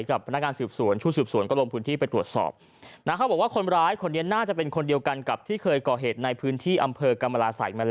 ภูมิการการสืบสวนชุดสืบสวนกับกระโลกพื้นที่ไปตรวจสอบ